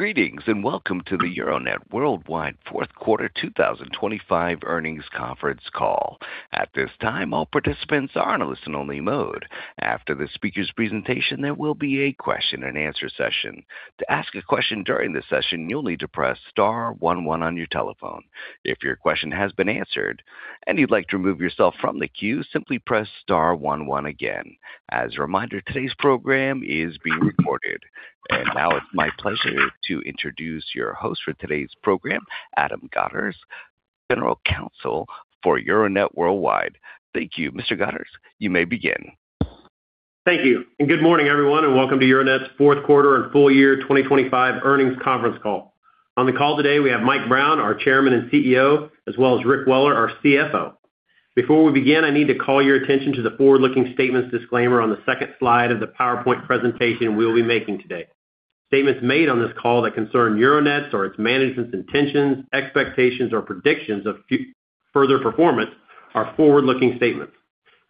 Greetings, and welcome to the Euronet Worldwide fourth quarter 2025 earnings conference call. At this time, all participants are in a listen-only mode. After the speaker's presentation, there will be a question-and-answer session. To ask a question during the session, you'll need to press star one one on your telephone. If your question has been answered and you'd like to remove yourself from the queue, simply press star one one again. As a reminder, today's program is being recorded. And now it's my pleasure to introduce your host for today's program, Adam Godderz, General Counsel for Euronet Worldwide. Thank you, Mr. Godderz. You may begin. Thank you, and good morning, everyone, and welcome to Euronet's fourth quarter and full year 2025 earnings conference call. On the call today, we have Mike Brown, our Chairman and CEO, as well as Rick Weller, our CFO. Before we begin, I need to call your attention to the forward-looking statements disclaimer on the second slide of the PowerPoint presentation we'll be making today. Statements made on this call that concern Euronet's or its management's intentions, expectations, or predictions of further performance are forward-looking statements.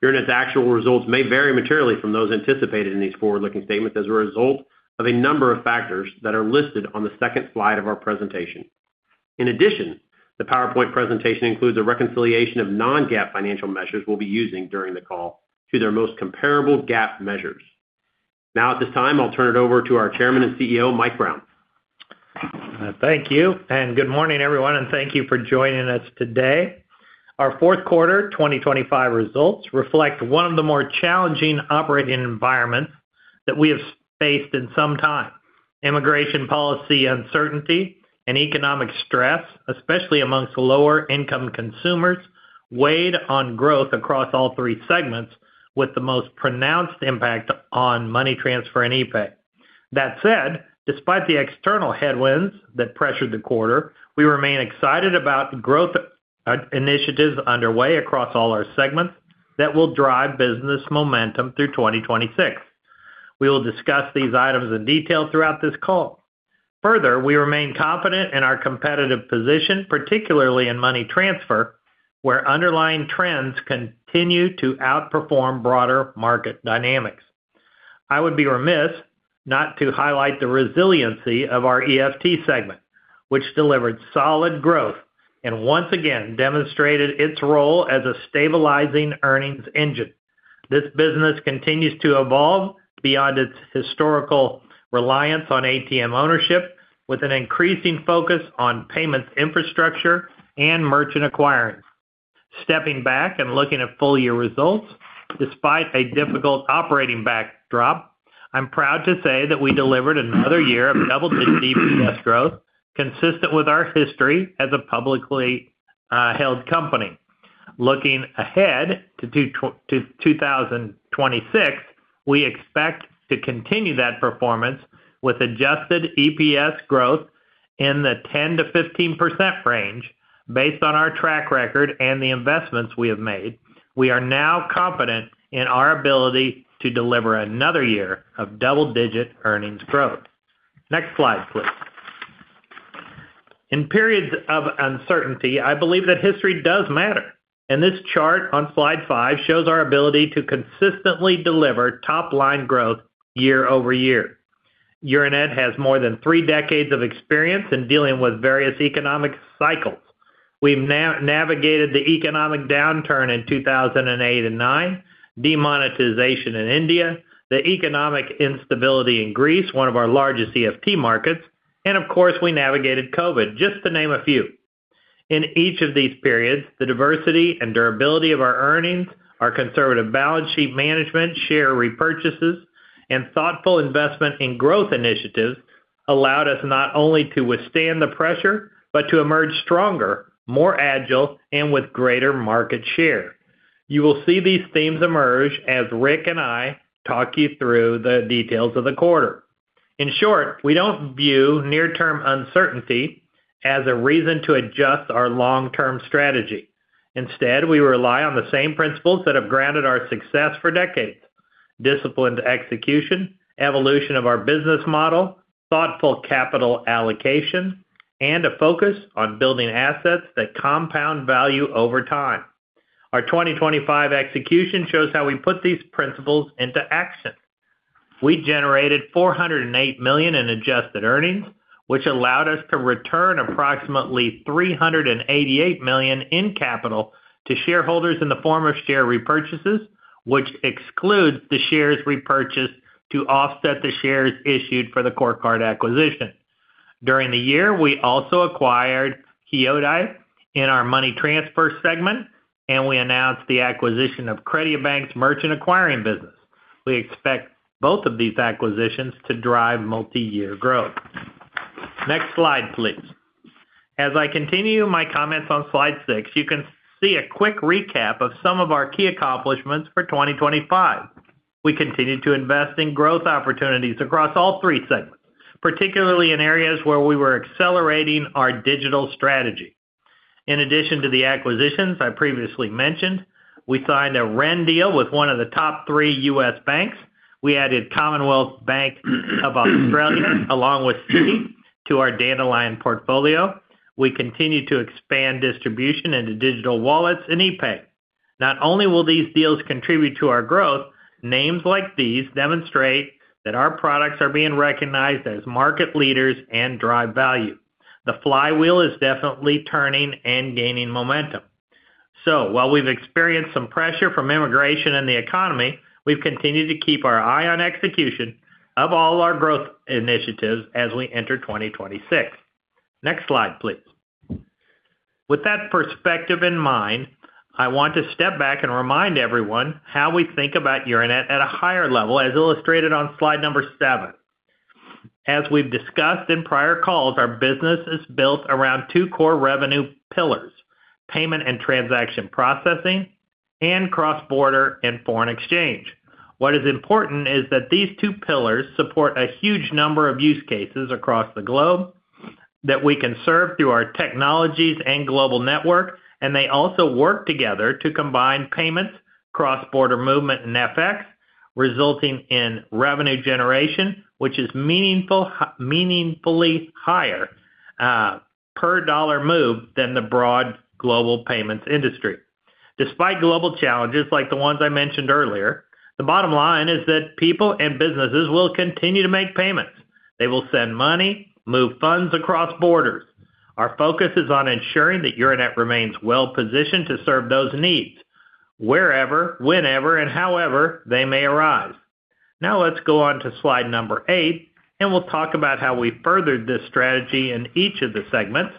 Euronet's actual results may vary materially from those anticipated in these forward-looking statements as a result of a number of factors that are listed on the second slide of our presentation. In addition, the PowerPoint presentation includes a reconciliation of non-GAAP financial measures we'll be using during the call to their most comparable GAAP measures. Now, at this time, I'll turn it over to our Chairman and CEO, Mike Brown. Thank you, and good morning, everyone, and thank you for joining us today. Our fourth quarter 2025 results reflect one of the more challenging operating environments that we have faced in some time. Immigration policy uncertainty and economic stress, especially among lower-income consumers, weighed on growth across all three segments, with the most pronounced impact on Money Transfer and epay. That said, despite the external headwinds that pressured the quarter, we remain excited about the growth initiatives underway across all our segments that will drive business momentum through 2026. We will discuss these items in detail throughout this call. Further, we remain confident in our competitive position, particularly in Money Transfer, where underlying trends continue to outperform broader market dynamics. I would be remiss not to highlight the resiliency of our EFT segment, which delivered solid growth and once again demonstrated its role as a stabilizing earnings engine. This business continues to evolve beyond its historical reliance on ATM ownership, with an increasing focus on payments infrastructure and merchant acquiring. Stepping back and looking at full-year results, despite a difficult operating backdrop, I'm proud to say that we delivered another year of double-digit EPS growth, consistent with our history as a publicly held company. Looking ahead to 2026, we expect to continue that performance with adjusted EPS growth in the 10%-15% range. Based on our track record and the investments we have made, we are now confident in our ability to deliver another year of double-digit earnings growth. Next slide, please. In periods of uncertainty, I believe that history does matter, and this chart on slide five shows our ability to consistently deliver top-line growth year-over-year. Euronet has more than three decades of experience in dealing with various economic cycles. We've navigated the economic downturn in 2008 and 2009, demonetization in India, the economic instability in Greece, one of our largest EFT markets, and of course, we navigated COVID, just to name a few. In each of these periods, the diversity and durability of our earnings, our conservative balance sheet management, share repurchases, and thoughtful investment in growth initiatives allowed us not only to withstand the pressure but to emerge stronger, more agile, and with greater market share. You will see these themes emerge as Rick and I talk you through the details of the quarter. In short, we don't view near-term uncertainty as a reason to adjust our long-term strategy. Instead, we rely on the same principles that have grounded our success for decades: disciplined execution, evolution of our business model, thoughtful capital allocation, and a focus on building assets that compound value over time. Our 2025 execution shows how we put these principles into action. We generated $408 million in adjusted earnings, which allowed us to return approximately $388 million in capital to shareholders in the form of share repurchases, which excludes the shares repurchased to offset the shares issued for the CoreCard acquisition. During the year, we also acquired Kyodai in our Money Transfer segment, and we announced the acquisition of CrediaBank's merchant acquiring business. We expect both of these acquisitions to drive multiyear growth. Next slide, please. As I continue my comments on slide six, you can see a quick recap of some of our key accomplishments for 2025. We continued to invest in growth opportunities across all three segments, particularly in areas where we were accelerating our digital strategy. In addition to the acquisitions I previously mentioned, we signed a Ren deal with one of the top 3 U.S. banks. We added Commonwealth Bank of Australia, along with Citi, to our Dandelion portfolio. We continued to expand distribution into digital wallets and epay.... Not only will these deals contribute to our growth, names like these demonstrate that our products are being recognized as market leaders and drive value. The flywheel is definitely turning and gaining momentum. So while we've experienced some pressure from immigration and the economy, we've continued to keep our eye on execution of all our growth initiatives as we enter 2026. Next slide, please. With that perspective in mind, I want to step back and remind everyone how we think about Euronet at a higher level, as illustrated on slide number seven. As we've discussed in prior calls, our business is built around two core revenue pillars: payment and transaction processing, and cross-border and foreign exchange. What is important is that these two pillars support a huge number of use cases across the globe, that we can serve through our technologies and global network, and they also work together to combine payments, cross-border movement, and FX, resulting in revenue generation, which is meaningfully higher per dollar move than the broad global payments industry. Despite global challenges like the ones I mentioned earlier, the bottom line is that people and businesses will continue to make payments. They will send money, move funds across borders. Our focus is on ensuring that Euronet remains well-positioned to serve those needs wherever, whenever, and however they may arise. Now, let's go on to slide number eight, and we'll talk about how we furthered this strategy in each of the segments.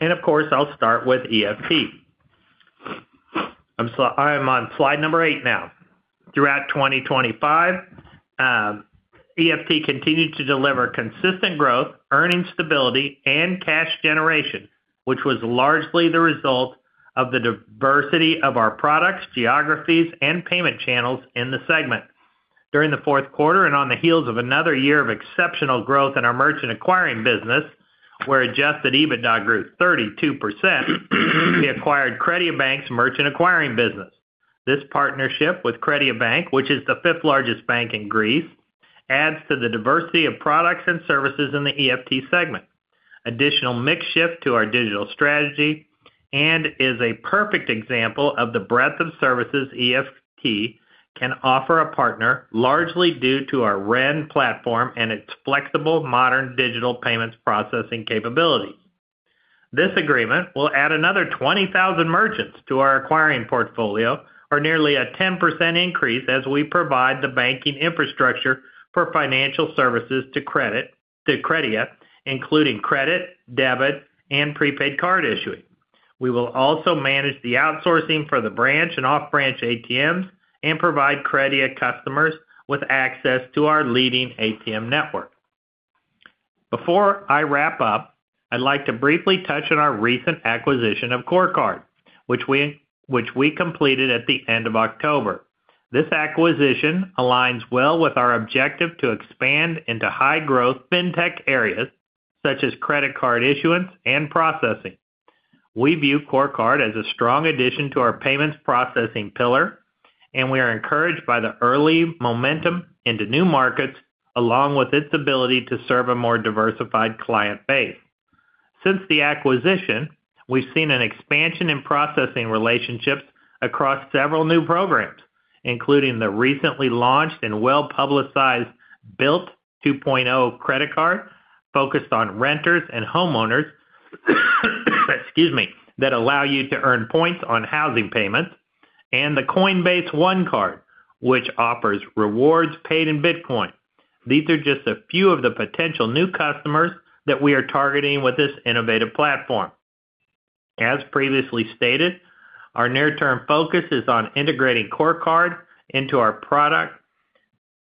Of course, I'll start with EFT. I am on slide number eight now. Throughout 2025, EFT continued to deliver consistent growth, earning stability, and cash generation, which was largely the result of the diversity of our products, geographies, and payment channels in the segment. During the fourth quarter, and on the heels of another year of exceptional growth in our merchant acquiring business, where adjusted EBITDA grew 32%, we acquired CrediaBank's merchant acquiring business. This partnership with CrediaBank, which is the fifth-largest bank in Greece, adds to the diversity of products and services in the EFT segment. Additional mix shift to our digital strategy and is a perfect example of the breadth of services EFT can offer a partner, largely due to our Ren platform and its flexible modern digital payments processing capabilities. This agreement will add another 20,000 merchants to our acquiring portfolio, or nearly a 10% increase as we provide the banking infrastructure for financial services to Credia, including credit, debit, and prepaid card issuing. We will also manage the outsourcing for the branch and off-branch ATMs and provide Credia customers with access to our leading ATM network. Before I wrap up, I'd like to briefly touch on our recent acquisition of CoreCard, which we completed at the end of October. This acquisition aligns well with our objective to expand into high-growth fintech areas, such as credit card issuance and processing. We view CoreCard as a strong addition to our payments processing pillar, and we are encouraged by the early momentum into new markets, along with its ability to serve a more diversified client base. Since the acquisition, we've seen an expansion in processing relationships across several new programs, including the recently launched and well-publicized Bilt 2.0 credit card, focused on renters and homeowners, excuse me, that allow you to earn points on housing payments, and the Coinbase One Card, which offers rewards paid in Bitcoin. These are just a few of the potential new customers that we are targeting with this innovative platform. As previously stated, our near-term focus is on integrating CoreCard into our product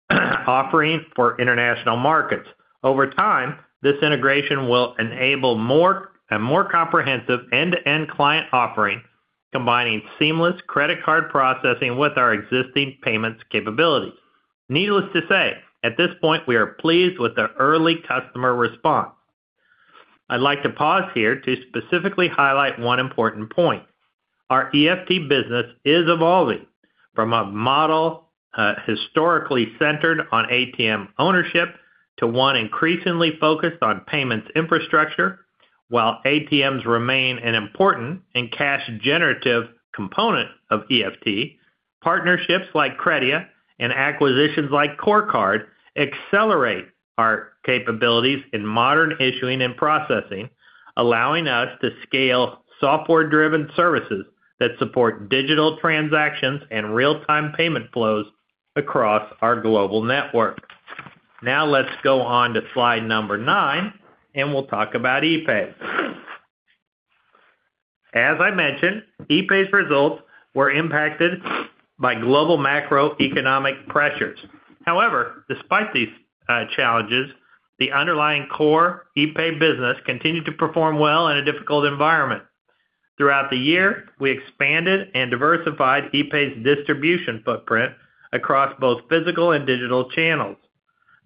offering for international markets. Over time, this integration will enable more and more comprehensive end-to-end client offering, combining seamless credit card processing with our existing payments capabilities. Needless to say, at this point, we are pleased with the early customer response. I'd like to pause here to specifically highlight one important point. Our EFT business is evolving from a model, historically centered on ATM ownership to one increasingly focused on payments infrastructure. While ATMs remain an important and cash-generative component of EFT, partnerships like Credia and acquisitions like CoreCard accelerate our capabilities in modern issuing and processing, allowing us to scale software-driven services that support digital transactions and real-time payment flows across our global network. Now, let's go on to slide number nine, and we'll talk about epay. As I mentioned, epay's results were impacted by global macroeconomic pressures. However, despite these challenges, the underlying core epay business continued to perform well in a difficult environment. Throughout the year, we expanded and diversified epay's distribution footprint across both physical and digital channels.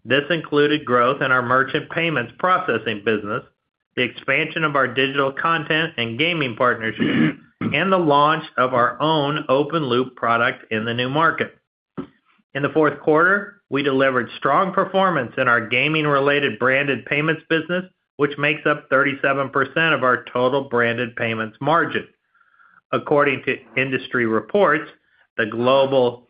This included growth in our merchant payments processing business, the expansion of our digital content and gaming partnerships, and the launch of our own open loop product in the new market. In the fourth quarter, we delivered strong performance in our gaming-related branded payments business, which makes up 37% of our total branded payments margin. According to industry reports, the global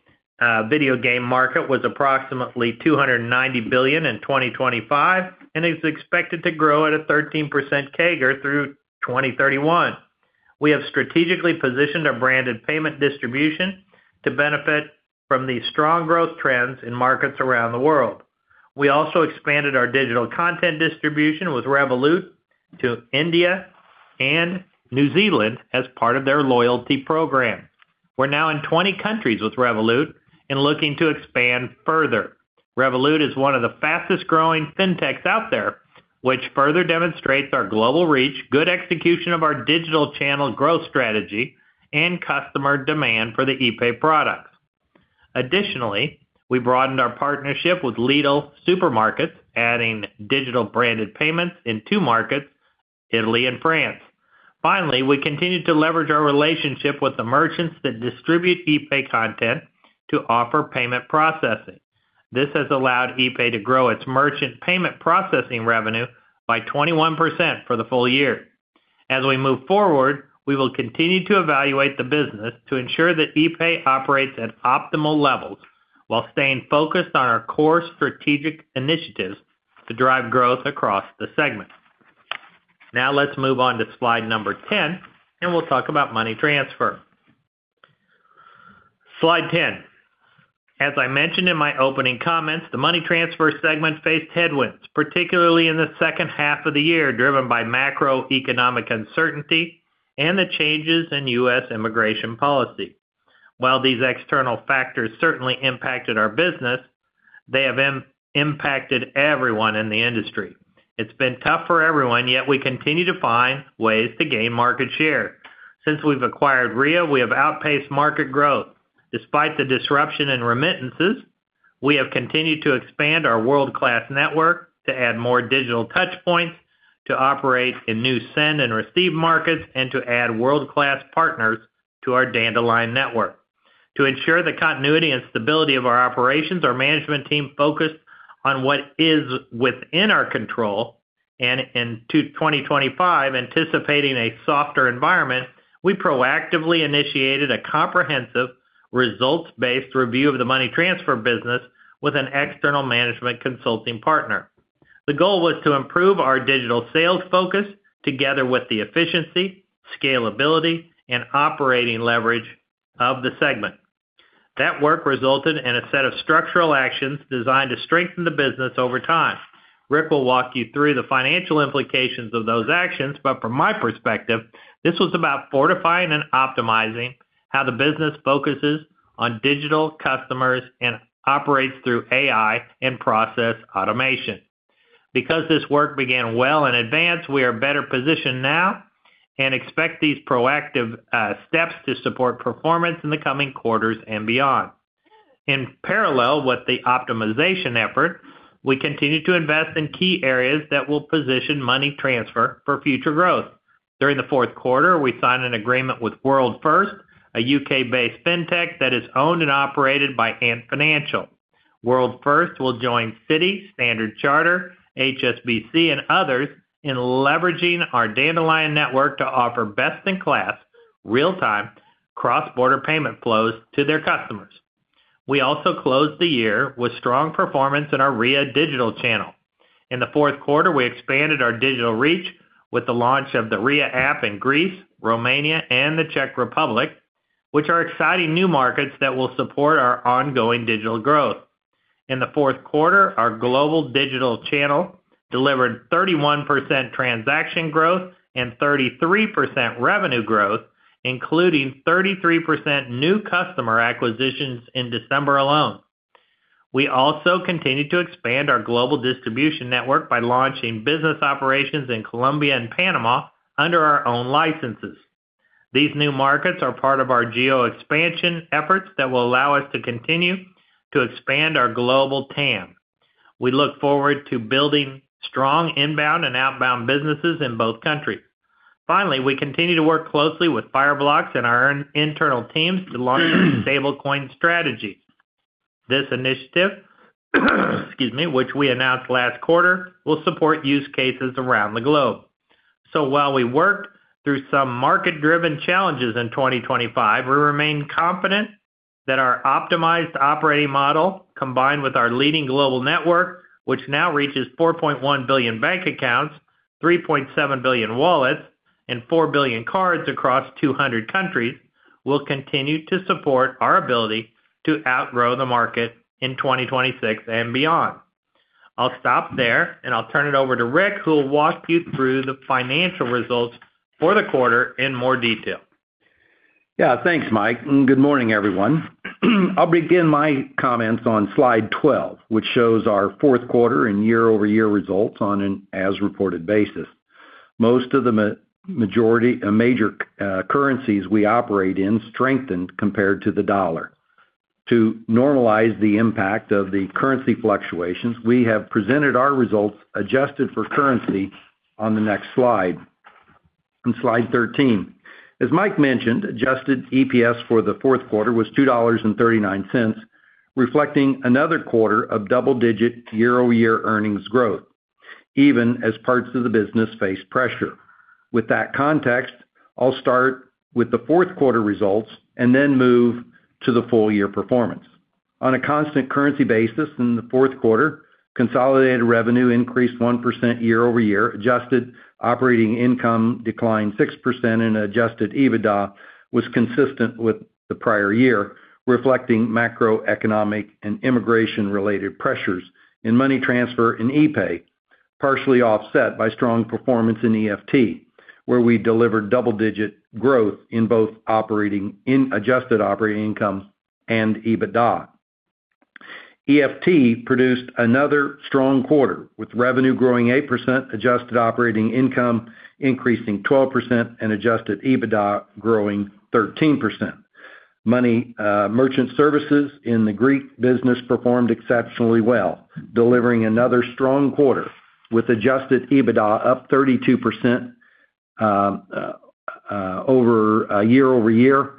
video game market was approximately $290 billion in 2025, and is expected to grow at a 13% CAGR through 2031. We have strategically positioned our branded payment distribution to benefit from the strong growth trends in markets around the world. We also expanded our digital content distribution with Revolut to India and New Zealand as part of their loyalty program. We're now in 20 countries with Revolut and looking to expand further. Revolut is one of the fastest-growing fintechs out there, which further demonstrates our global reach, good execution of our digital channel growth strategy, and customer demand for the epay products. Additionally, we broadened our partnership with Lidl Supermarkets, adding digital branded payments in two markets, Italy and France. Finally, we continued to leverage our relationship with the merchants that distribute epay content to offer payment processing. This has allowed epay to grow its merchant payment processing revenue by 21% for the full-year. As we move forward, we will continue to evaluate the business to ensure that epay operates at optimal levels while staying focused on our core strategic initiatives to drive growth across the segment. Now, let's move on to slide number 10, and we'll talk about Money Transfer. Slide 10. As I mentioned in my opening comments, the Money Transfer segment faced headwinds, particularly in the second half of the year, driven by macroeconomic uncertainty and the changes in U.S. immigration policy. While these external factors certainly impacted our business, they have impacted everyone in the industry. It's been tough for everyone, yet we continue to find ways to gain market share. Since we've acquired Ria, we have outpaced market growth. Despite the disruption in remittances, we have continued to expand our world-class network to add more digital touchpoints, to operate in new send and receive markets, and to add world-class partners to our Dandelion network. To ensure the continuity and stability of our operations, our management team focused on what is within our control, and in 2025, anticipating a softer environment, we proactively initiated a comprehensive, results-based review of the Money Transfer business with an external management consulting partner. The goal was to improve our digital sales focus together with the efficiency, scalability, and operating leverage of the segment. That work resulted in a set of structural actions designed to strengthen the business over time. Rick will walk you through the financial implications of those actions, but from my perspective, this was about fortifying and optimizing how the business focuses on digital customers and operates through AI and process automation. Because this work began well in advance, we are better positioned now and expect these proactive steps to support performance in the coming quarters and beyond. In parallel with the optimization effort, we continue to invest in key areas that will position Money Transfer for future growth. During the fourth quarter, we signed an agreement with WorldFirst, a U.K.-based fintech that is owned and operated by Ant Financial. WorldFirst will join Citi, Standard Chartered, HSBC, and others in leveraging our Dandelion network to offer best-in-class, real-time, cross-border payment flows to their customers. We also closed the year with strong performance in our Ria digital channel. In the fourth quarter, we expanded our digital reach with the launch of the Ria app in Greece, Romania, and the Czech Republic, which are exciting new markets that will support our ongoing digital growth. In the fourth quarter, our global digital channel delivered 31% transaction growth and 33% revenue growth, including 33% new customer acquisitions in December alone. We also continued to expand our global distribution network by launching business operations in Colombia and Panama under our own licenses. These new markets are part of our geo expansion efforts that will allow us to continue to expand our global TAM. We look forward to building strong inbound and outbound businesses in both countries. Finally, we continue to work closely with Fireblocks and our own internal teams to launch stablecoin strategies. This initiative, excuse me, which we announced last quarter, will support use cases around the globe. So while we worked through some market-driven challenges in 2025, we remain confident that our optimized operating model, combined with our leading global network, which now reaches 4.1 billion bank accounts, 3.7 billion wallets, and 4 billion cards across 200 countries, will continue to support our ability to outgrow the market in 2026 and beyond. I'll stop there, and I'll turn it over to Rick, who will walk you through the financial results for the quarter in more detail. Yeah, thanks, Mike, and good morning, everyone. I'll begin my comments on slide 12, which shows our fourth quarter and year-over-year results on an as-reported basis. Most of the major currencies we operate in strengthened compared to the dollar. To normalize the impact of the currency fluctuations, we have presented our results adjusted for currency on the next slide. On slide 13, as Mike mentioned, adjusted EPS for the fourth quarter was $2.39, reflecting another quarter of double-digit year-over-year earnings growth, even as parts of the business face pressure. With that context, I'll start with the fourth quarter results and then move to the full-year performance. On a constant currency basis, in the fourth quarter, consolidated revenue increased 1% year-over-year, adjusted operating income declined 6%, and adjusted EBITDA was consistent with the prior year, reflecting macroeconomic and immigration-related pressures in Money Transfer and epay, partially offset by strong performance in EFT, where we delivered double-digit growth in both adjusted operating income and EBITDA. EFT produced another strong quarter, with revenue growing 8%, adjusted operating income increasing 12%, and adjusted EBITDA growing 13%. Money merchant services in the Greek business performed exceptionally well, delivering another strong quarter, with adjusted EBITDA up 32% year-over-year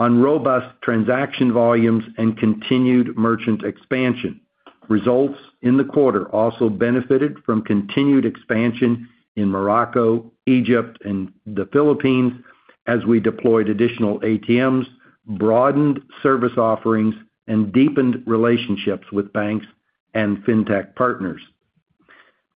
on robust transaction volumes and continued merchant expansion. Results in the quarter also benefited from continued expansion in Morocco, Egypt, and the Philippines as we deployed additional ATMs, broadened service offerings, and deepened relationships with banks and fintech partners.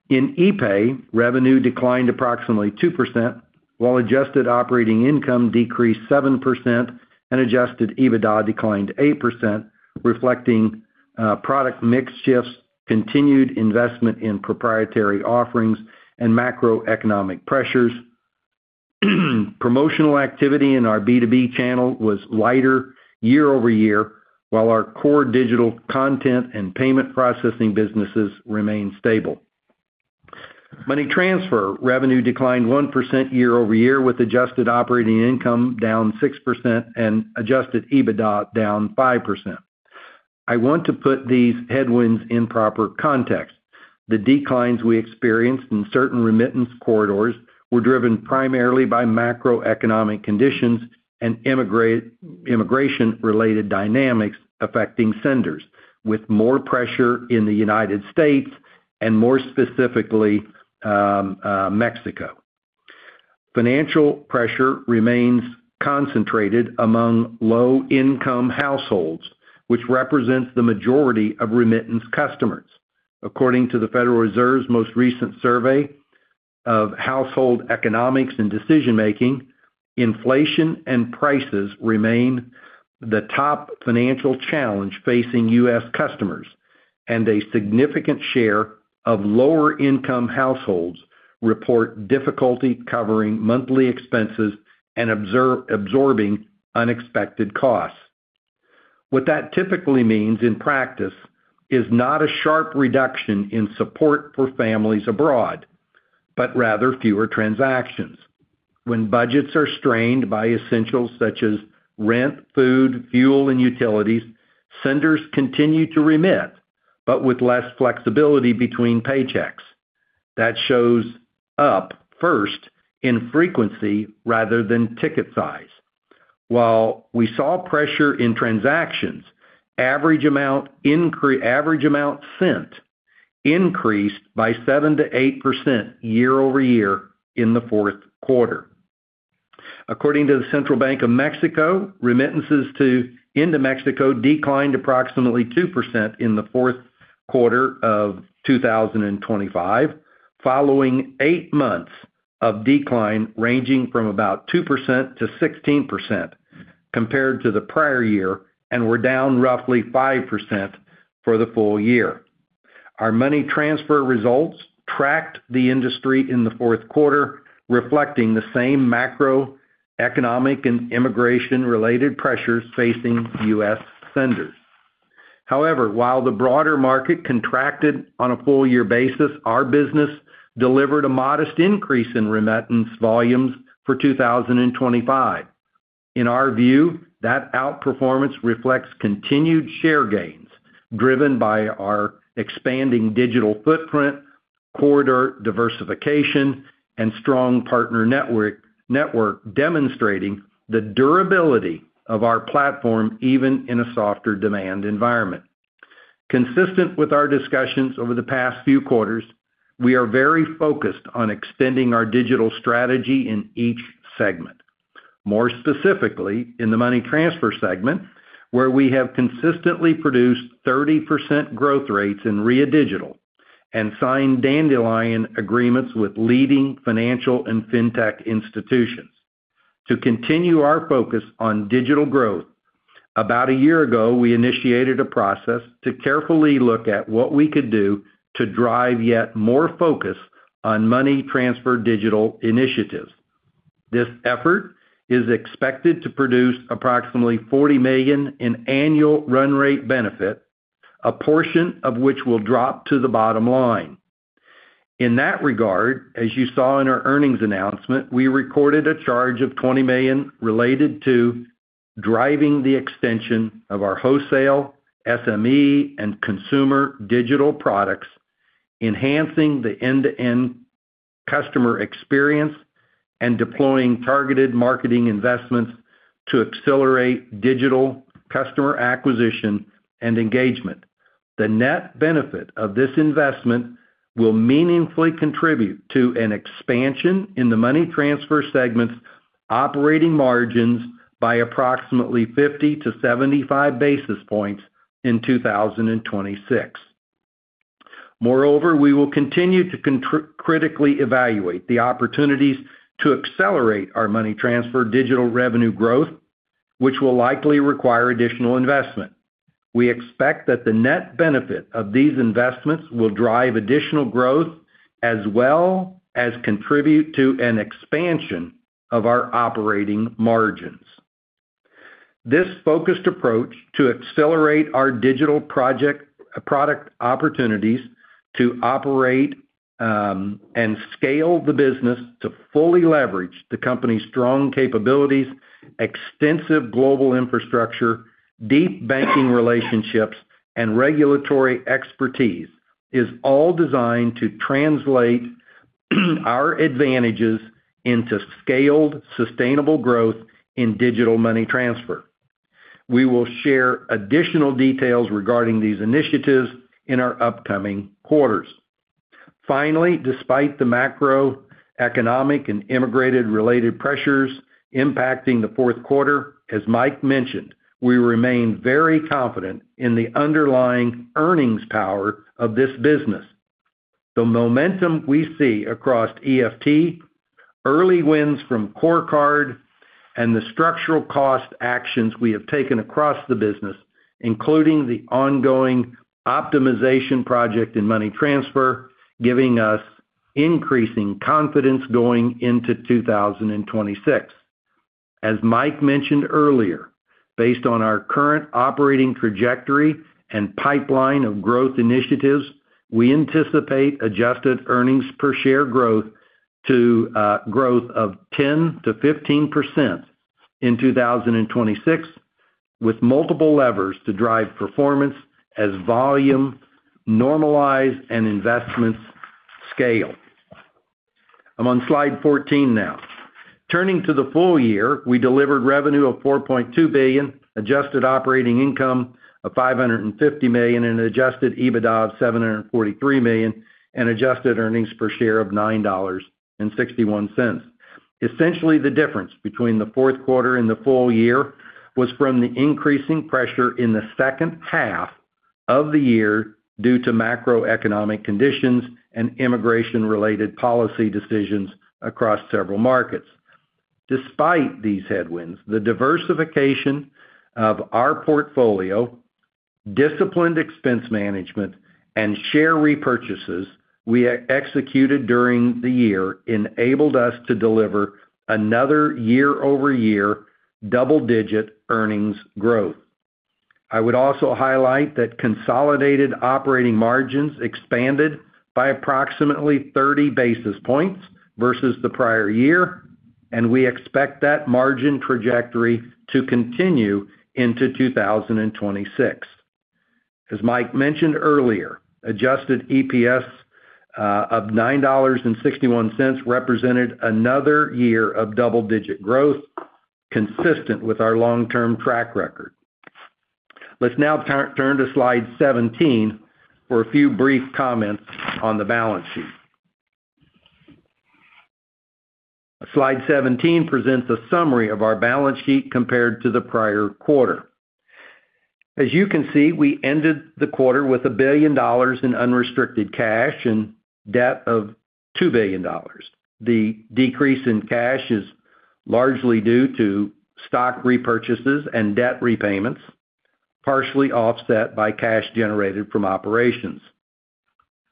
In epay, revenue declined approximately 2%, while adjusted operating income decreased 7% and adjusted EBITDA declined 8%, reflecting product mix shifts, continued investment in proprietary offerings, and macroeconomic pressures. Promotional activity in our B2B channel was lighter year-over-year, while our core digital content and payment processing businesses remained stable. Money Transfer revenue declined 1% year-over-year, with adjusted operating income down 6% and adjusted EBITDA down 5%. I want to put these headwinds in proper context. The declines we experienced in certain remittance corridors were driven primarily by macroeconomic conditions and immigration-related dynamics affecting senders, with more pressure in the United States and more specifically, Mexico. Financial pressure remains concentrated among low-income households, which represents the majority of remittance customers. According to the Federal Reserve's most recent survey of household economics and decision-making, inflation and prices remain the top financial challenge facing U.S. customers, and a significant share of lower-income households report difficulty covering monthly expenses and absorbing unexpected costs. What that typically means in practice is not a sharp reduction in support for families abroad, but rather fewer transactions. When budgets are strained by essentials such as rent, food, fuel, and utilities, senders continue to remit, but with less flexibility between paychecks. That shows up first in frequency rather than ticket size. While we saw pressure in transactions, average amount sent increased by 7%-8% year-over-year in the fourth quarter. According to the Central Bank of Mexico, remittances into Mexico declined approximately 2% in the fourth quarter of 2025, following eight months of decline, ranging from about 2% to 16% compared to the prior year, and were down roughly 5% for the full year. Our Money Transfer results tracked the industry in the fourth quarter, reflecting the same macroeconomic and immigration-related pressures facing U.S. senders. However, while the broader market contracted on a full-year basis, our business delivered a modest increase in remittance volumes for 2025. In our view, that outperformance reflects continued share gains, driven by our expanding digital footprint, corridor diversification, and strong partner network, demonstrating the durability of our platform, even in a softer demand environment. Consistent with our discussions over the past few quarters, we are very focused on extending our digital strategy in each segment. More specifically, in the Money Transfer segment, where we have consistently produced 30% growth rates in Ria Digital and signed Dandelion agreements with leading financial and fintech institutions. To continue our focus on digital growth, about a year ago, we initiated a process to carefully look at what we could do to drive yet more focus on Money Transfer digital initiatives. This effort is expected to produce approximately $40 million in annual run rate benefit, a portion of which will drop to the bottom line. In that regard, as you saw in our earnings announcement, we recorded a charge of $20 million related to driving the extension of our wholesale, SME, and consumer digital products-... Enhancing the end-to-end customer experience, and deploying targeted marketing investments to accelerate digital customer acquisition and engagement. The net benefit of this investment will meaningfully contribute to an expansion in the Money Transfer segment's operating margins by approximately 50-75 basis points in 2026. Moreover, we will continue to critically evaluate the opportunities to accelerate our Money Transfer digital revenue growth, which will likely require additional investment. We expect that the net benefit of these investments will drive additional growth, as well as contribute to an expansion of our operating margins. This focused approach to accelerate our digital product opportunities to operate, and scale the business to fully leverage the company's strong capabilities, extensive global infrastructure, deep banking relationships, and regulatory expertise, is all designed to translate our advantages into scaled, sustainable growth in digital Money Transfer. We will share additional details regarding these initiatives in our upcoming quarters. Finally, despite the macroeconomic and immigration-related pressures impacting the fourth quarter, as Mike mentioned, we remain very confident in the underlying earnings power of this business. The momentum we see across EFT, early wins from CoreCard, and the structural cost actions we have taken across the business, including the ongoing optimization project in Money Transfer, giving us increasing confidence going into 2026. As Mike mentioned earlier, based on our current operating trajectory and pipeline of growth initiatives, we anticipate adjusted earnings per share growth to growth of 10%-15% in 2026, with multiple levers to drive performance as volume normalize and investments scale. I'm on slide 14 now. Turning to the full year, we delivered revenue of $4.2 billion, adjusted operating income of $550 million, and adjusted EBITDA of $743 million, and adjusted earnings per share of $9.61. Essentially, the difference between the fourth quarter and the full year was from the increasing pressure in the second half of the year due to macroeconomic conditions and immigration-related policy decisions across several markets. Despite these headwinds, the diversification of our portfolio, disciplined expense management, and share repurchases we executed during the year enabled us to deliver another year-over-year double-digit earnings growth. I would also highlight that consolidated operating margins expanded by approximately 30 basis points versus the prior year, and we expect that margin trajectory to continue into 2026. As Mike mentioned earlier, adjusted EPS of $9.61 represented another year of double-digit growth, consistent with our long-term track record. Let's now turn to slide 17 for a few brief comments on the balance sheet. Slide 17 presents a summary of our balance sheet compared to the prior quarter. As you can see, we ended the quarter with $1 billion in unrestricted cash and debt of $2 billion. The decrease in cash is largely due to stock repurchases and debt repayments, partially offset by cash generated from operations.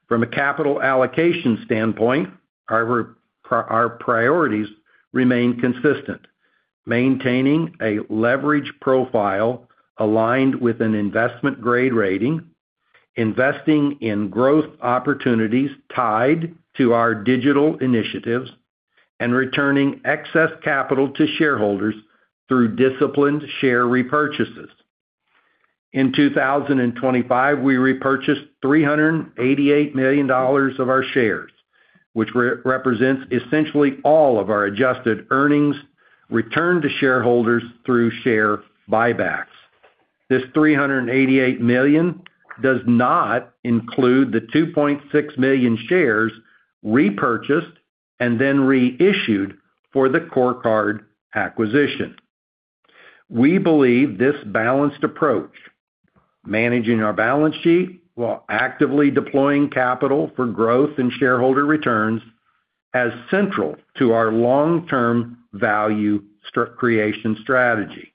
From a capital allocation standpoint, our priorities remain consistent: maintaining a leverage profile aligned with an investment-grade rating, investing in growth opportunities tied to our digital initiatives, and returning excess capital to shareholders through disciplined share repurchases. In 2025, we repurchased $388 million of our shares, which represents essentially all of our adjusted earnings returned to shareholders through share buybacks. This $388 million does not include the 2.6 million shares repurchased and then reissued for the CoreCard acquisition. We believe this balanced approach, managing our balance sheet while actively deploying capital for growth and shareholder returns, as central to our long-term value creation strategy.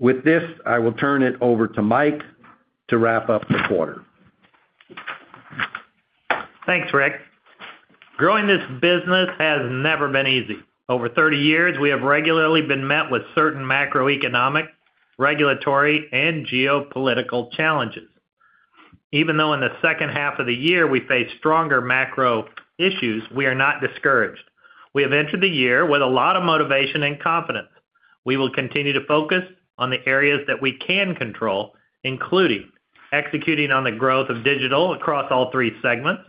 With this, I will turn it over to Mike to wrap up the quarter. Thanks, Rick. Growing this business has never been easy. Over 30 years, we have regularly been met with certain macroeconomic, regulatory, and geopolitical challenges. Even though in the second half of the year we faced stronger macro issues, we are not discouraged. We have entered the year with a lot of motivation and confidence. We will continue to focus on the areas that we can control, including executing on the growth of digital across all three segments,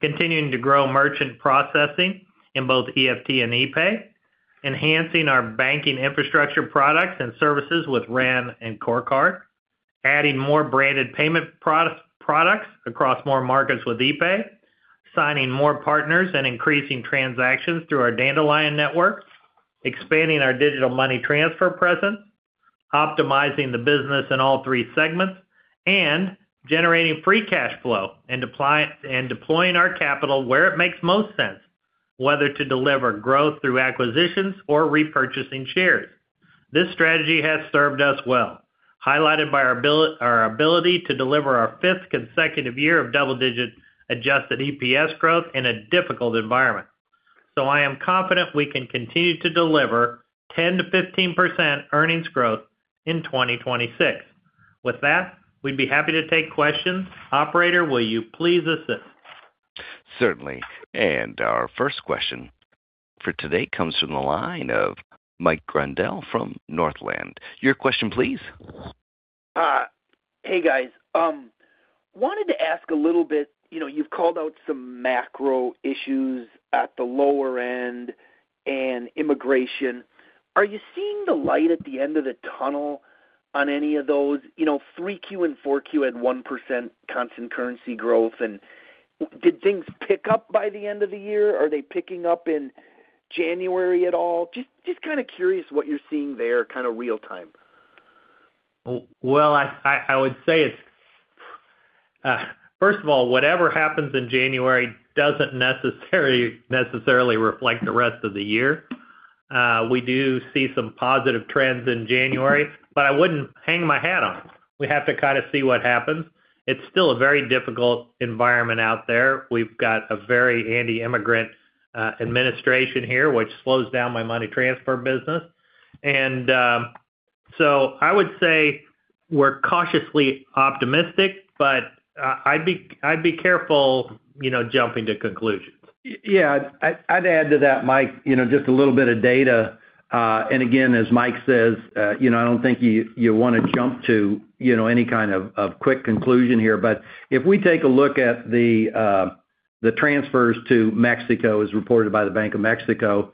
continuing to grow merchant processing in both EFT and epay, enhancing our banking infrastructure products and services with Ren and CoreCard, adding more branded payment products across more markets with epay, signing more partners and increasing transactions through our Dandelion network, expanding our digital Money Transfer presence, optimizing the business in all three segments, and generating free cash flow and applying and deploying our capital where it makes most sense, whether to deliver growth through acquisitions or repurchasing shares. This strategy has served us well, highlighted by our ability to deliver our fifth consecutive year of double-digit adjusted EPS growth in a difficult environment. I am confident we can continue to deliver 10%-15% earnings growth in 2026. With that, we'd be happy to take questions. Operator, will you please assist? Certainly. Our first question for today comes from the line of Mike Grondahl from Northland. Your question, please. Hey, guys. Wanted to ask a little bit, you know, you've called out some macro issues at the lower end and immigration. Are you seeing the light at the end of the tunnel on any of those? You know, 3Q and 4Q at 1% constant currency growth, and did things pick up by the end of the year? Are they picking up in January at all? Just, just kinda curious what you're seeing there, kinda real-time. Well, I would say it's first of all, whatever happens in January doesn't necessarily reflect the rest of the year. We do see some positive trends in January, but I wouldn't hang my hat on them. We have to kind of see what happens. It's still a very difficult environment out there. We've got a very anti-immigrant administration here, which slows down my Money Transfer business. And so I would say we're cautiously optimistic, but I'd be careful, you know, jumping to conclusions. Yeah, I'd add to that, Mike, you know, just a little bit of data. And again, as Mike says, you know, I don't think you wanna jump to, you know, any kind of quick conclusion here. But if we take a look at the transfers to Mexico, as reported by the Bank of Mexico,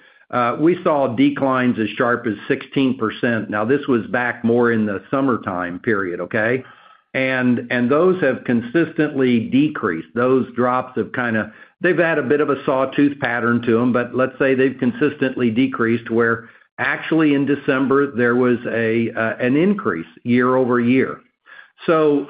we saw declines as sharp as 16%. Now, this was back more in the summertime period, okay? And those have consistently decreased. Those drops have kinda, they've had a bit of a sawtooth pattern to them, but let's say they've consistently decreased, where actually, in December, there was an increase year-over-year. So,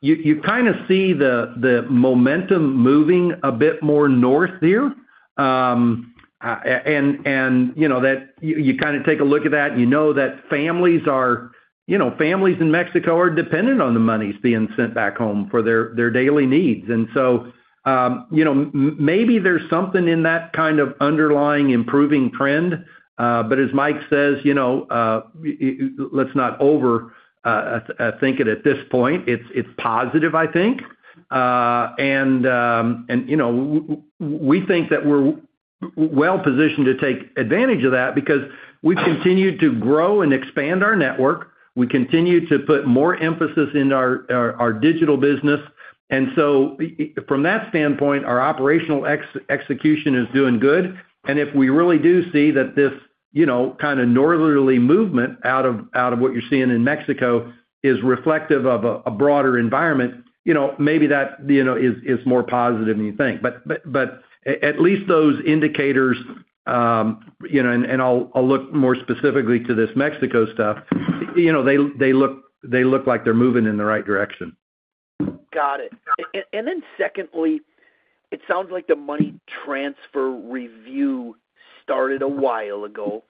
you kinda see the momentum moving a bit more north here. You know that you kinda take a look at that, and you know that families are, you know, families in Mexico are dependent on the money being sent back home for their, their daily needs. And so, you know, maybe there's something in that kind of underlying, improving trend, but as Mike says, you know, let's not overthink it at this point. It's positive, I think. And, you know, we think that we're well-positioned to take advantage of that because we've continued to grow and expand our network. We continue to put more emphasis in our, our, our digital business. And so from that standpoint, our operational execution is doing good. If we really do see that this, you know, kinda northerly movement out of what you're seeing in Mexico is reflective of a broader environment, you know, maybe that is more positive than you think. But at least those indicators, you know, and I'll look more specifically to this Mexico stuff, you know, they look like they're moving in the right direction. Got it. And then secondly, it sounds like the Money Transfer review started a while ago.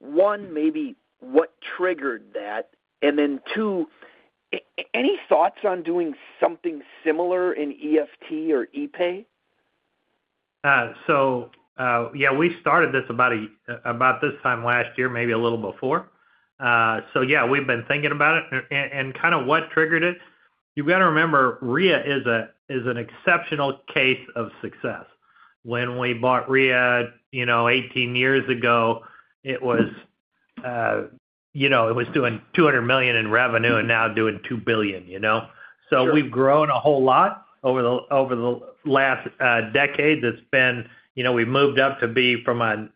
One, maybe what triggered that? And then two, any thoughts on doing something similar in EFT or epay? So, yeah, we started this about this time last year, maybe a little before. So yeah, we've been thinking about it. And kinda what triggered it, you've got to remember, Ria is an exceptional case of success. When we bought Ria, you know, 18 years ago, it was, you know, it was doing $200 million in revenue and now doing $2 billion, you know? Sure. So we've grown a whole lot over the last decade. It's been... You know, we've moved up to be from a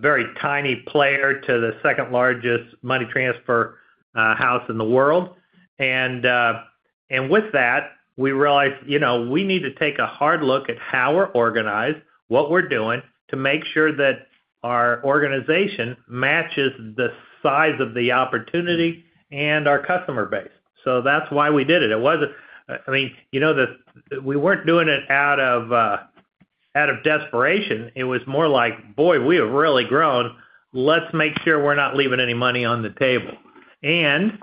very tiny player to the second-largest Money Transfer house in the world. And with that, we realized, you know, we need to take a hard look at how we're organized, what we're doing, to make sure that our organization matches the size of the opportunity and our customer base. So that's why we did it. It wasn't. I mean, you know, we weren't doing it out of desperation. It was more like, "Boy, we have really grown. Let's make sure we're not leaving any money on the table." And,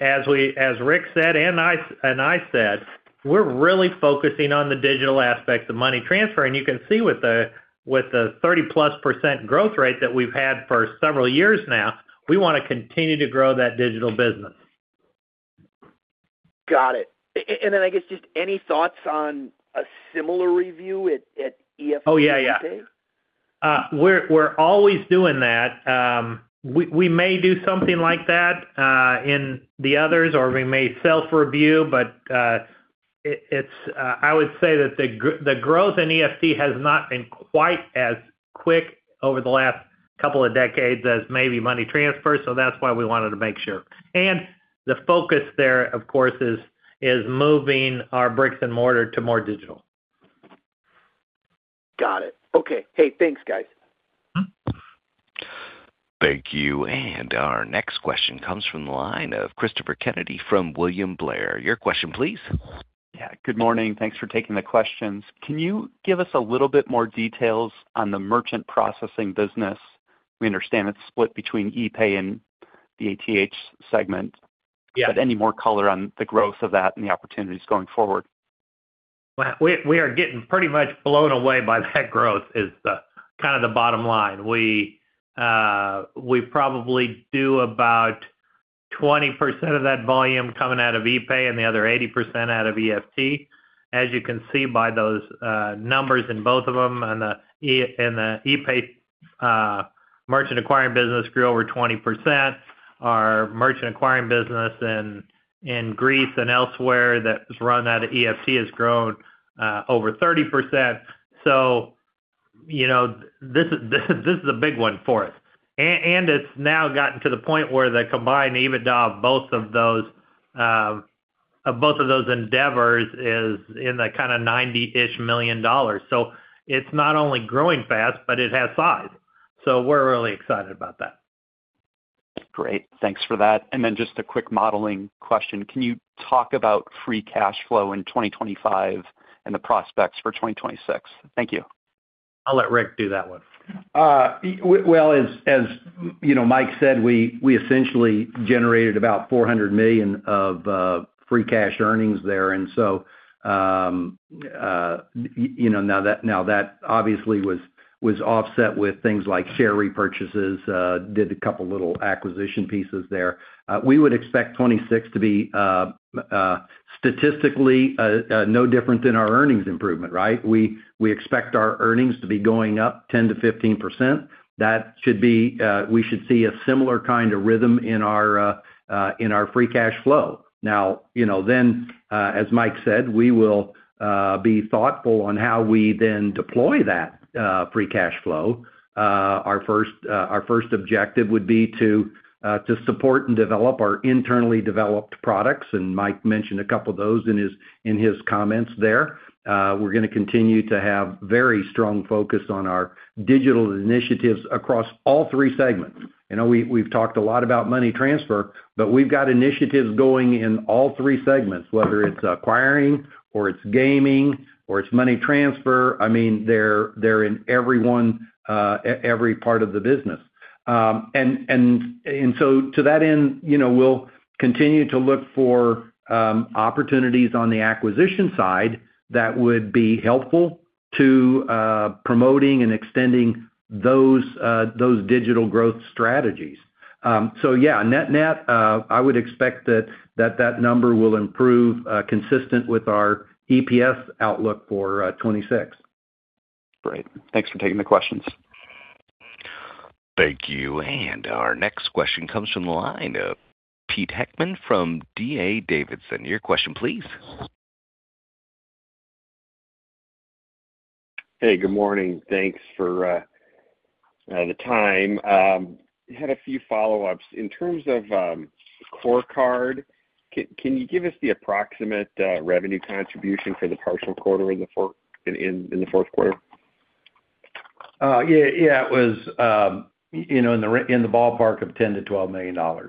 as we, as Rick said, and I, and I said, we're really focusing on the digital aspects of Money Transfer, and you can see with the 30%+ growth rate that we've had for several years now, we wanna continue to grow that digital business. Got it. And then I guess just any thoughts on a similar review at EFT space? Oh, yeah, yeah. We're, we're always doing that. We, we may do something like that in the others, or we may self-review, but it, it's I would say that the growth in EFT has not been quite as quick over the last couple of decades as maybe Money Transfer, so that's why we wanted to make sure. And the focus there, of course, is moving our bricks and mortar to more digital. Got it. Okay. Hey, thanks, guys. Thank you. Our next question comes from the line of Christopher Kennedy from William Blair. Your question please. Yeah, good morning. Thanks for taking the questions. Can you give us a little bit more details on the merchant processing business? We understand it's split between epay and the ATM segment. Yeah. Any more color on the growth of that and the opportunities going forward? Well, we are getting pretty much blown away by that growth, is the kind of the bottom line. We probably do about 20% of that volume coming out of epay and the other 80% out of EFT. As you can see by those numbers in both of them, and the epay merchant acquiring business grew over 20%. Our merchant acquiring business in Greece and elsewhere that's run out of EFT has grown over 30%. So, you know, this is a big one for us. And it's now gotten to the point where the combined EBITDA of both of those endeavors is in the kind of $90-ish million. So it's not only growing fast, but it has size. So we're really excited about that. Great. Thanks for that. And then just a quick modeling question. Can you talk about free cash flow in 2025 and the prospects for 2026? Thank you. I'll let Rick do that one. Well, as you know, Mike said, we essentially generated about $400 million of free cash earnings there. And so, you know, now that obviously was offset with things like share repurchases, did a couple little acquisition pieces there. We would expect 2026 to be statistically no different than our earnings improvement, right? We expect our earnings to be going up 10%-15%. That should be—we should see a similar kind of rhythm in our free cash flow. Now, you know, then, as Mike said, we will be thoughtful on how we then deploy that free cash flow. Our first objective would be to support and develop our internally developed products, and Mike mentioned a couple of those in his comments there. We're gonna continue to have very strong focus on our digital initiatives across all three segments. You know, we've talked a lot about Money Transfer, but we've got initiatives going in all three segments, whether it's acquiring or it's gaming or it's Money Transfer. I mean, they're in every one, every part of the business. And so to that end, you know, we'll continue to look for opportunities on the acquisition side that would be helpful to promoting and extending those digital growth strategies. So yeah, net-net, I would expect that number will improve, consistent with our EPS outlook for 2026. Great. Thanks for taking the questions. Thank you. Our next question comes from the line of Pete Heckman from D.A. Davidson. Your question please. Hey, good morning. Thanks for the time. Had a few follow-ups. In terms of CoreCard, can you give us the approximate revenue contribution for the partial quarter in the fourth quarter? Yeah. Yeah, it was, you know, in the ballpark of $10 million-$12 million.